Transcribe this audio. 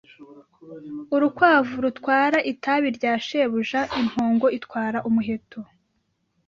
urukwavu rutwara itabi rya shebuja, impongo itwara umuheto